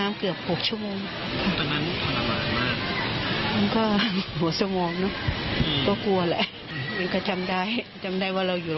มันหล่อนน้ำตาไหลเลยนอนมันก็น้ำตาไหลอยู่